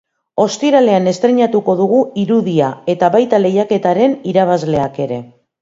Ostiralean estreinatuko dugu irudia, eta baita lehiaketaren irabazleak ere.